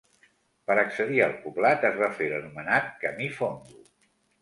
Per accedir al poblat es va fer l'anomenat camí Fondo.